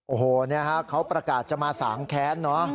โอ้โฮนี่ครับเขาประกาศจะมาสางแค้น